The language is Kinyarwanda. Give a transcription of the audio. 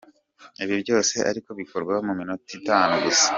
Ibi byose ariko bikorwa mu minota itanu gusa.